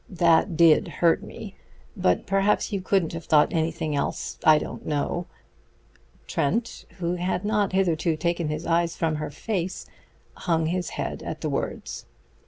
That did hurt me; but perhaps you couldn't have thought anything else I don't know." Trent, who had not hitherto taken his eyes from her face, hung his head at the words.